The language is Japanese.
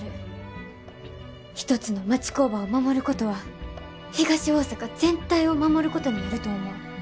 一つの町工場を守ることは東大阪全体を守ることになると思う。